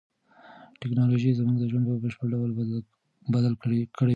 تکنالوژي زموږ ژوند په بشپړ ډول بدل کړی دی.